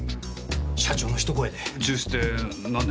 社長の一声で。